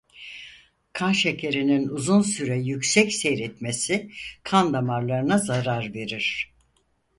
Kan şekerinin uzun süre yüksek seyretmesi kan damarlarına zarar verir.